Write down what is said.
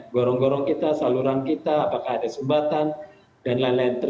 gorong gorong kita saluran kita apakah ada sumbatan dan lain lain